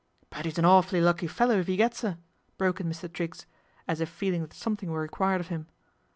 " But 'e's an awfully lucky fellow if 'e gets 'er," broke in Mr. Triggs, as if feeling that some thing were required of him.